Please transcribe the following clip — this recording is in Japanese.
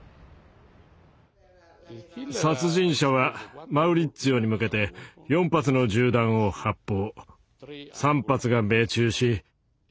殺人者はマウリッツィオに向けて４発の銃弾を発砲。